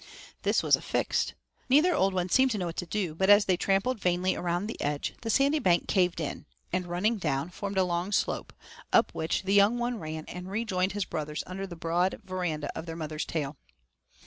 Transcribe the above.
This was a fix. Neither old one seemed to know what to do, but as they trampled vainly round the edge, the sandy bank caved in, and, running down, formed a long slope, up which the young one ran and rejoined his brothers under the broad veranda of their mother's tail.